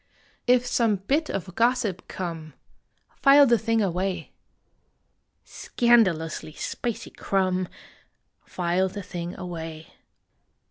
If some bit of gossip come, File the thing away. Scandalously spicy crumb, File the thing away.